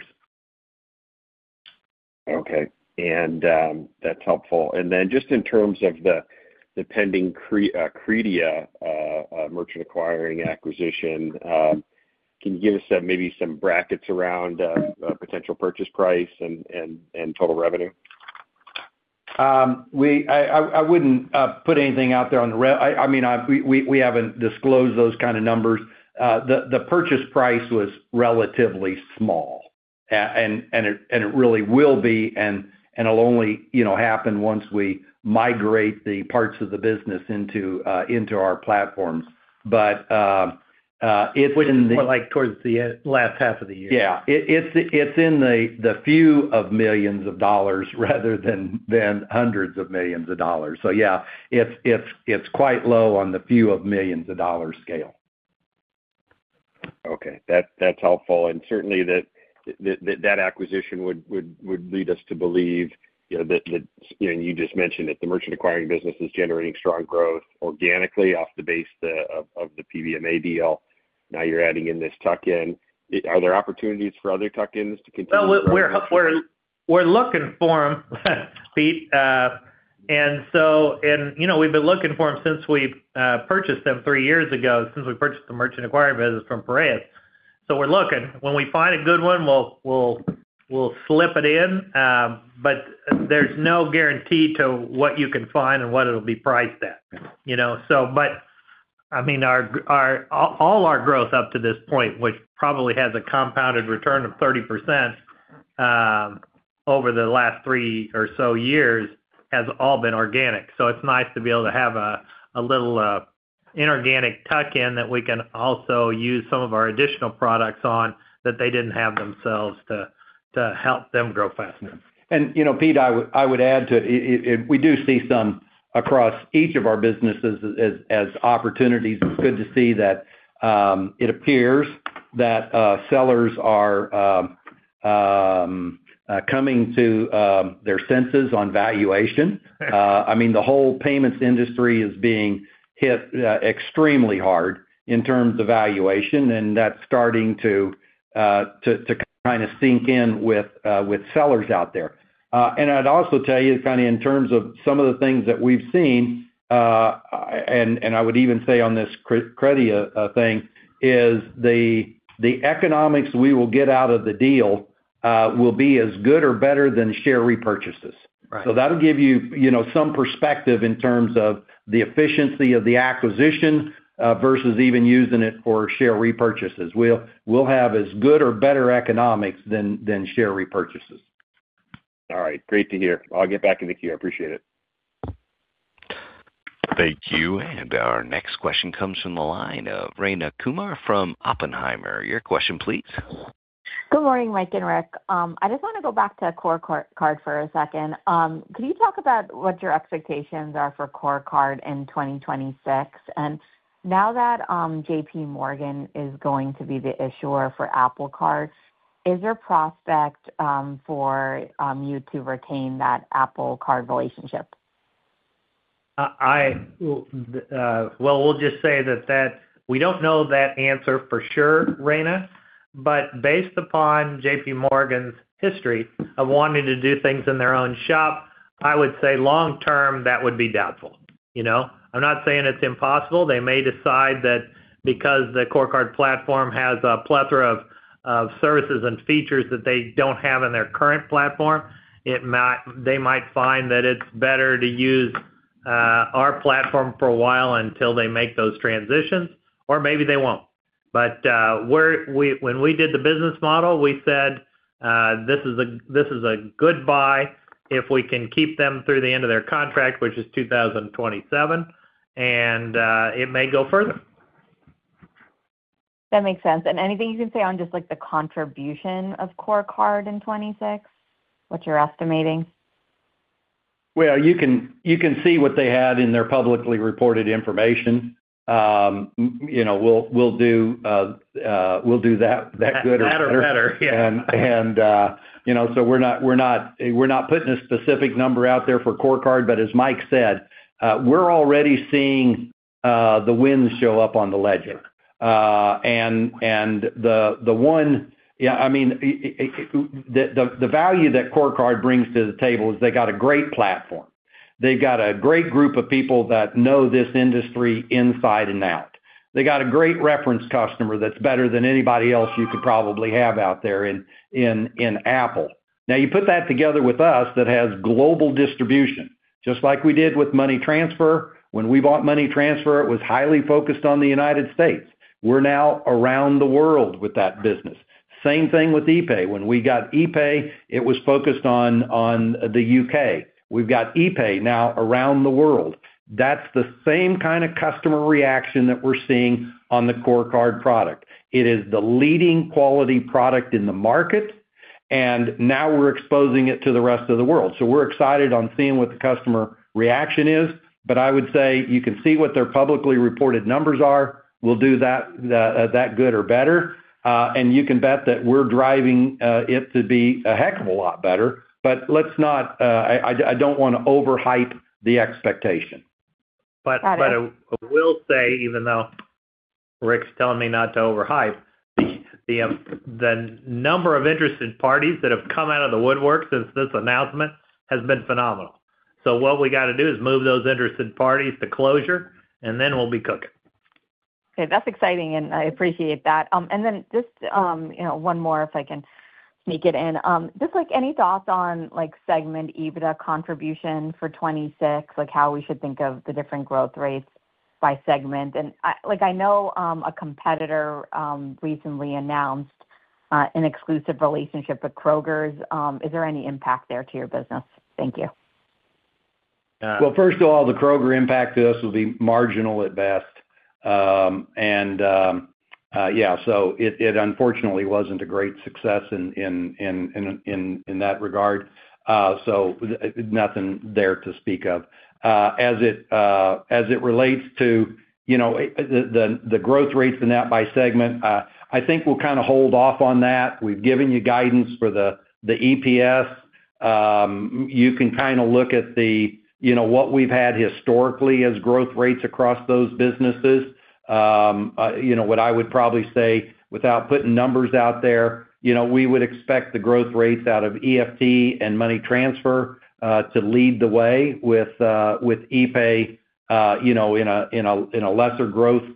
Okay. And, that's helpful. And then just in terms of the pending Credia merchant acquiring acquisition, can you give us some, maybe some brackets around potential purchase price and total revenue? I wouldn't put anything out there on the. I mean, we haven't disclosed those kind of numbers. The purchase price was relatively small. And it really will be, and it'll only, you know, happen once we migrate the parts of the business into our platforms. But it's in the- Which is more like towards the end, last half of the year. Yeah. It's in the few million dollars rather than hundreds of millions of dollars. So yeah, it's quite low on the few million dollars scale. Okay, that's helpful. And certainly that acquisition would lead us to believe, you know, that, and you just mentioned that the merchant acquiring business is generating strong growth organically off the base of the PBMA deal. Now you're adding in this tuck-in. Are there opportunities for other tuck-ins to continue? Well, we're looking for them, Pete. And so... And, you know, we've been looking for them since we purchased them three years ago, since we purchased the merchant acquiring business from Piraeus. So we're looking. When we find a good one, we'll slip it in. But there's no guarantee to what you can find and what it'll be priced at, you know? So, but... I mean, all our growth up to this point, which probably has a compounded return of 30%, over the last three or so years, has all been organic. So it's nice to be able to have a little inorganic tuck-in that we can also use some of our additional products on, that they didn't have themselves to help them grow faster. You know, Pete, I would add to it. We do see some across each of our businesses as opportunities. It's good to see that it appears that sellers are coming to their senses on valuation. I mean, the whole payments industry is being hit extremely hard in terms of valuation, and that's starting to kinda sink in with sellers out there. And I'd also tell you, kind of in terms of some of the things that we've seen, and I would even say on this Credia thing, the economics we will get out of the deal will be as good or better than share repurchases. Right. So that'll give you, you know, some perspective in terms of the efficiency of the acquisition versus even using it for share repurchases. We'll have as good or better economics than share repurchases. All right. Great to hear. I'll get back in the queue. I appreciate it. Thank you. And our next question comes from the line of Rayna Kumar from Oppenheimer. Your question, please. Good morning, Mike and Rick. I just want to go back to CoreCard for a second. Can you talk about what your expectations are for CoreCard in 2026? And now that, JPMorgan is going to be the issuer for Apple Card, is there prospect, for, you to retain that Apple Card relationship? Well, we'll just say that we don't know that answer for sure, Rayna. But based upon JPMorgan's history of wanting to do things in their own shop, I would say long term, that would be doubtful. You know, I'm not saying it's impossible. They may decide that because the CoreCard platform has a plethora of services and features that they don't have in their current platform, they might find that it's better to use our platform for a while until they make those transitions, or maybe they won't. But we're we, when we did the business model, we said this is a good buy if we can keep them through the end of their contract, which is 2027, and it may go further. That makes sense. Anything you can say on just, like, the contribution of CoreCard in 2026, what you're estimating? Well, you can see what they had in their publicly reported information. You know, we'll do that good or better. That or better, yeah. You know, so we're not putting a specific number out there for CoreCard, but as Mike said, we're already seeing the wins show up on the ledger. Yeah, I mean, the value that CoreCard brings to the table is they got a great platform. They've got a great group of people that know this industry inside and out. They got a great reference customer that's better than anybody else you could probably have out there in Apple. Now, you put that together with us, that has global distribution, just like we did with Money Transfer. When we bought Money Transfer, it was highly focused on the United States. We're now around the world with that business. Same thing with epay. When we got epay, it was focused on the U.K. We've got epay now around the world. That's the same kind of customer reaction that we're seeing on the CoreCard product. It is the leading quality product in the market, and now we're exposing it to the rest of the world. So we're excited on seeing what the customer reaction is, but I would say, you can see what their publicly reported numbers are. We'll do that, that good or better, and you can bet that we're driving it to be a heck of a lot better. But let's not... I, I don't wanna overhype the expectation. Got it. But I will say, even though Rick's telling me not to overhype, the number of interested parties that have come out of the woodwork since this announcement has been phenomenal. So what we gotta do is move those interested parties to closure, and then we'll be cooking. Okay, that's exciting, and I appreciate that. And then just, you know, one more, if I can sneak it in. Just, like, any thoughts on, like, segment EBITDA contribution for 2026? Like, how we should think of the different growth rates by segment. And, like, I know, a competitor, recently announced, an exclusive relationship with Kroger's. Is there any impact there to your business? Thank you. Well, first of all, the Kroger impact to us will be marginal at best. And, yeah, so it unfortunately wasn't a great success in that regard. So nothing there to speak of. As it relates to, you know, the growth rates in that by segment, I think we'll kind of hold off on that. We've given you guidance for the EPS. You can kind of look at the, you know, what we've had historically as growth rates across those businesses. You know, what I would probably say, without putting numbers out there, you know, we would expect the growth rates out of EFT and Money Transfer to lead the way with epay, you know, in a lesser growth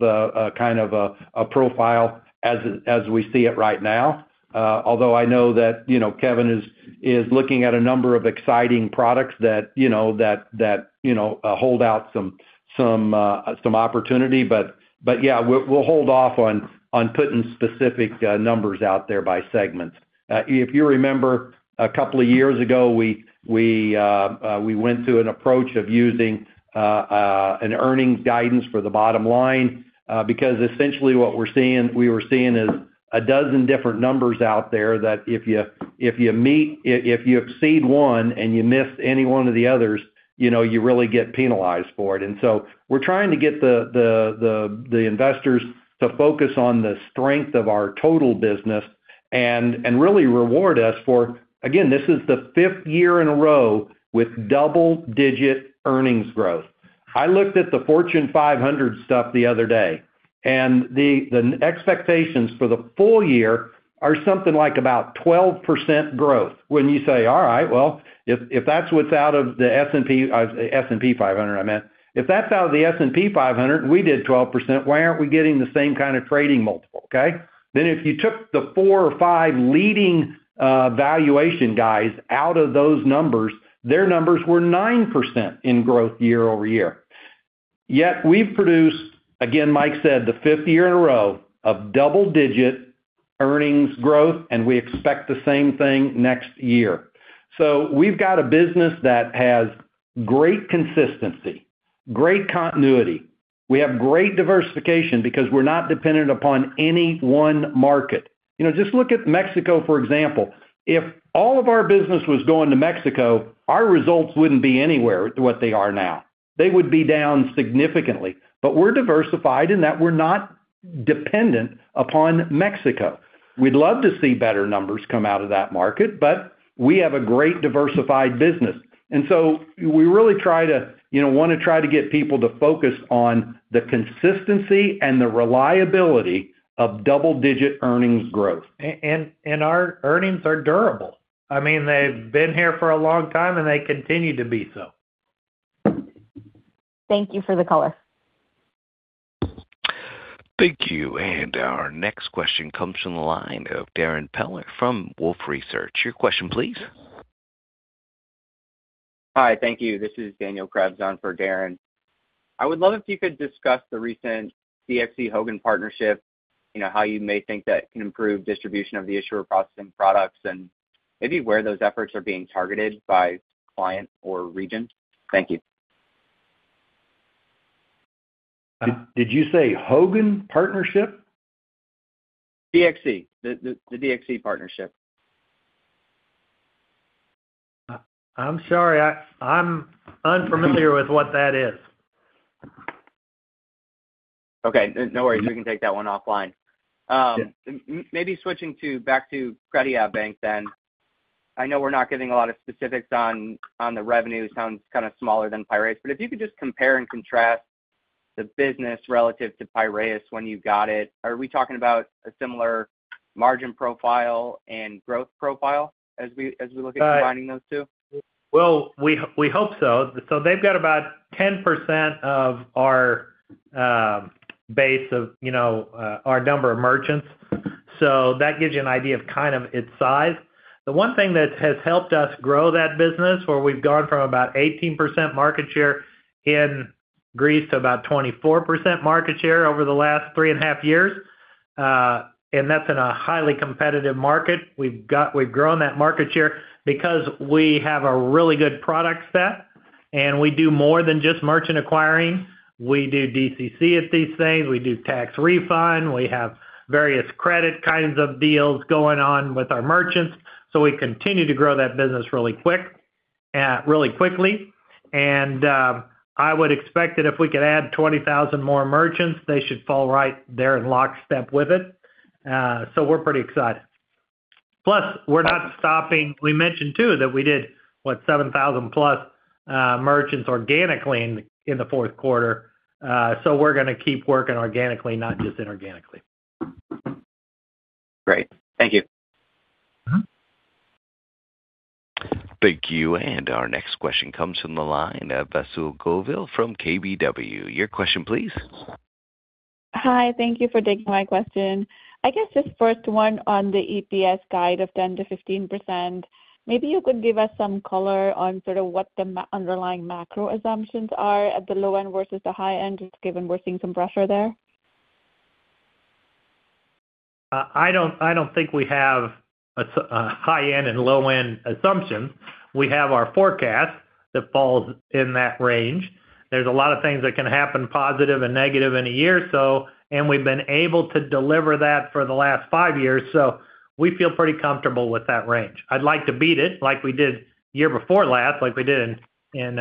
kind of a profile as we see it right now. Although I know that, you know, Kevin is looking at a number of exciting products that you know hold out some opportunity. But yeah, we'll hold off on putting specific numbers out there by segment. If you remember, a couple of years ago, we went through an approach of using an earnings guidance for the bottom line, because essentially what we're seeing—we were seeing is a dozen different numbers out there that if you meet—if you exceed one and you miss any one of the others, you know, you really get penalized for it. So we're trying to get the investors to focus on the strength of our total business and really reward us for, again, this is the fifth year in a row with double-digit earnings growth. I looked at the Fortune 500 stuff the other day, and the expectations for the full-year are something like about 12% growth. When you say, all right, well, if that's what's out of the S&P, S&P 500, I meant. If that's out of the S&P 500, we did 12%. Why aren't we getting the same kind of trading multiple? Okay. Then, if you took the four or five leading valuation guys out of those numbers, their numbers were 9% in growth year-over-year. Yet we've produced, again, Mike said, the fifth year in a row of double-digit earnings growth, and we expect the same thing next year. So we've got a business that has great consistency, great continuity. We have great diversification because we're not dependent upon any one market. You know, just look at Mexico, for example. If all of our business was going to Mexico, our results wouldn't be anywhere what they are now. They would be down significantly. But we're diversified in that we're not dependent upon Mexico. We'd love to see better numbers come out of that market, but we have a great diversified business. And so we really try to, you know, want to try to get people to focus on the consistency and the reliability of double-digit earnings growth. And our earnings are durable. I mean, they've been here for a long time, and they continue to be so. Thank you for the color. Thank you. And our next question comes from the line of Darrin Peller from Wolfe Research. Your question, please. Hi, thank you. This is Daniel Krebs on for Darren. I would love if you could discuss the recent DXC Hogan partnership, you know, how you may think that can improve distribution of the issuer processing products, and maybe where those efforts are being targeted by client or region? Thank you. Did you say Hogan partnership? DXC. The DXC partnership. I'm sorry, I'm unfamiliar with what that is. Okay, no worries. We can take that one offline. Maybe switching back to CrediaBank then. I know we're not getting a lot of specifics on, on the revenue. Sounds kind of smaller than Piraeus, but if you could just compare and contrast the business relative to Piraeus when you got it. Are we talking about a similar margin profile and growth profile as we, as we look at combining those two? Well, we hope so. So they've got about 10% of our base of, you know, our number of merchants. So that gives you an idea of kind of its size. The one thing that has helped us grow that business, where we've gone from about 18% market share in Greece to about 24% market share over the last three and a half years, and that's in a highly competitive market. We've grown that market share because we have a really good product set, and we do more than just merchant acquiring. We do DCC at these things. We do tax refund. We have various credit kinds of deals going on with our merchants. So we continue to grow that business really quick, really quickly. I would expect that if we could add 20,000 more merchants, they should fall right there in lockstep with it. So we're pretty excited. Plus, we're not stopping. We mentioned, too, that we did, what, 7,000+ merchants organically in the fourth quarter. So we're gonna keep working organically, not just inorganically. Great. Thank you. Mm-hmm. Thank you. Our next question comes from the line of Vasu Govil from KBW. Your question, please. Hi, thank you for taking my question. I guess just first one on the EPS guide of 10%-15%. Maybe you could give us some color on sort of what the underlying macro assumptions are at the low end versus the high end, just given we're seeing some pressure there? I don't, I don't think we have a, high-end and low-end assumption. We have our forecast that falls in that range. There's a lot of things that can happen, positive and negative, in a year or so, and we've been able to deliver that for the last five years. So we feel pretty comfortable with that range. I'd like to beat it like we did year before last, like we did in, in,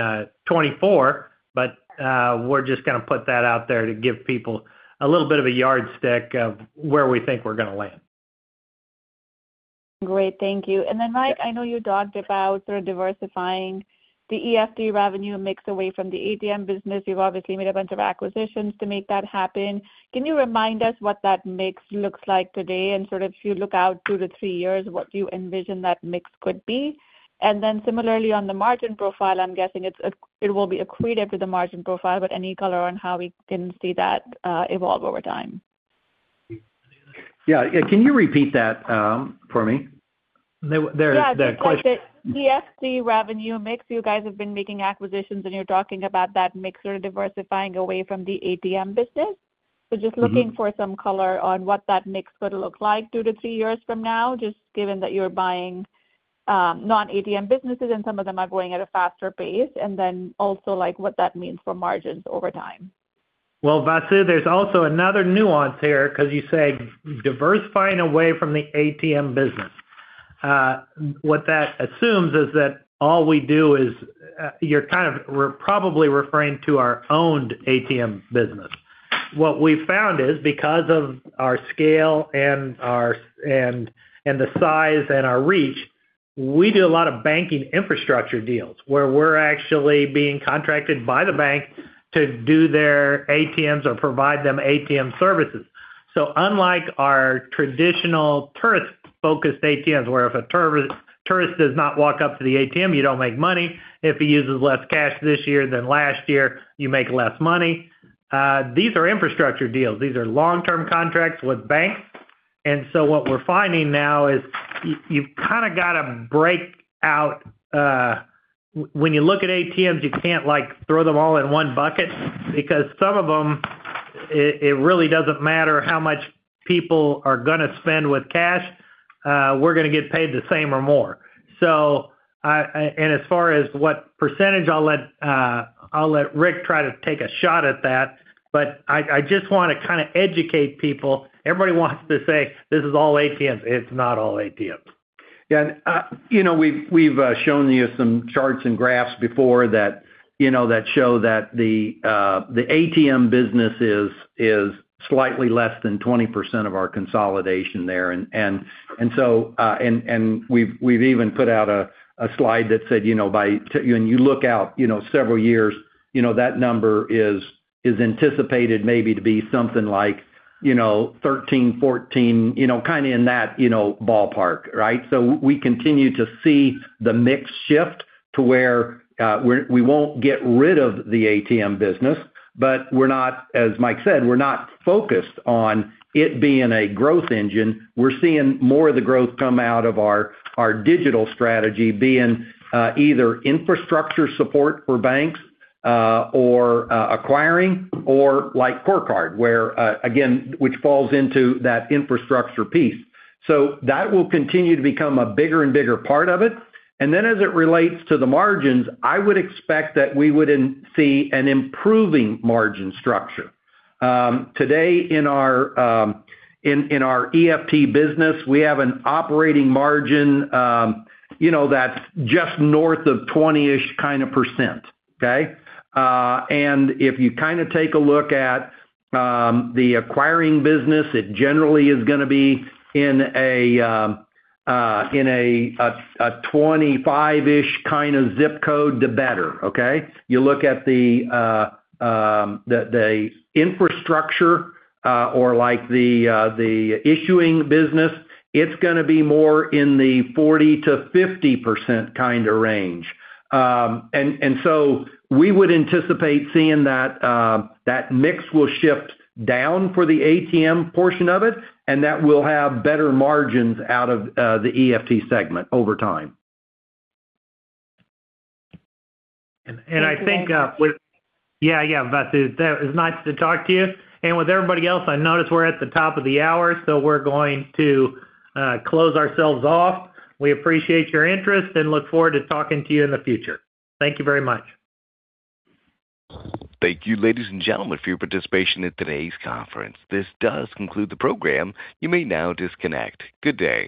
2024, but, we're just gonna put that out there to give people a little bit of a yardstick of where we think we're gonna land. Great. Thank you. And then, Mike, I know you talked about sort of diversifying the EFT revenue mix away from the ATM business. You've obviously made a bunch of acquisitions to make that happen. Can you remind us what that mix looks like today? And sort of if you look out two to three years, what do you envision that mix could be? And then similarly, on the margin profile, I'm guessing it's, it will be accretive to the margin profile, but any color on how we can see that, evolve over time? Yeah. Can you repeat that, for me? The question- Yeah, just like the EFT revenue mix. You guys have been making acquisitions, and you're talking about that mix sort of diversifying away from the ATM business. So just looking for some color on what that mix would look like two to three years from now, just given that you're buying non-ATM businesses, and some of them are growing at a faster pace, and then also, like, what that means for margins over time. Well, Vasu, there's also another nuance here, 'cause you say diversifying away from the ATM business. What that assumes is that all we do is we're probably referring to our owned ATM business. What we've found is, because of our scale and our size and our reach, we do a lot of banking infrastructure deals where we're actually being contracted by the bank to do their ATMs or provide them ATM services. So unlike our traditional tourist-focused ATMs, where if a tourist does not walk up to the ATM, you don't make money. If he uses less cash this year than last year, you make less money. These are infrastructure deals. These are long-term contracts with banks. And so what we're finding now is you've kind of got to break out, when you look at ATMs, you can't, like, throw them all in one bucket, because some of them, it really doesn't matter how much people are gonna spend with cash, we're gonna get paid the same or more. So, and as far as what percentage, I'll let Rick try to take a shot at that, but I just wanna kind of educate people. Everybody wants to say, "This is all ATMs." It's not all ATMs. Yeah, and, you know, we've shown you some charts and graphs before that, you know, that show that the ATM business is slightly less than 20% of our consolidation there. And so, we've even put out a slide that said, you know, by—when you look out, you know, several years, you know, that number is anticipated maybe to be something like, you know, 13-14, you know, kind of in that ballpark, right? So we continue to see the mix shift to where we're—we won't get rid of the ATM business, but we're not, as Mike said, we're not focused on it being a growth engine. We're seeing more of the growth come out of our digital strategy, being either infrastructure support for banks, or acquiring, or like CoreCard, where again, which falls into that infrastructure piece. So that will continue to become a bigger and bigger part of it. And then, as it relates to the margins, I would expect that we would then see an improving margin structure. Today, in our EFT business, we have an operating margin, you know, that's just north of 20-ish kind of percent, okay? And if you kind of take a look at the acquiring business, it generally is gonna be in a 25-ish kind of zip code, the better, okay? You look at the infrastructure, or like the issuing business, it's gonna be more in the 40%-50% kind of range. And so we would anticipate seeing that mix will shift down for the ATM portion of it, and that we'll have better margins out of the EFT segment over time. Thank you- I think, yeah, yeah, Vasu, it's nice to talk to you. With everybody else, I notice we're at the top of the hour, so we're going to close ourselves off. We appreciate your interest and look forward to talking to you in the future. Thank you very much. Thank you, ladies and gentlemen, for your participation in today's conference. This does conclude the program. You may now disconnect. Good day!